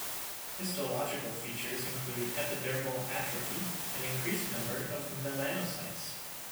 Histological features include epidermal atrophy and increased number of melanocytes.